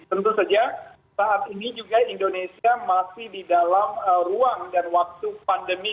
tentu saja saat ini juga indonesia masih di dalam ruang dan waktu pandemi